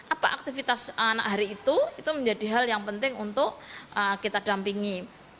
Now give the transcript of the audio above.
apa aktivitas anak hari itu itu menjadi hal yang penting untuk kita dampingi